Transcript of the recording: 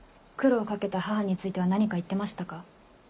苦労かけた母については何か言ってましたか？